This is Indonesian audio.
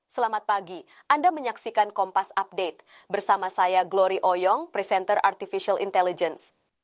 selamat pagi anda menyaksikan kompas update bersama saya glory oyong presenter artificial intelligence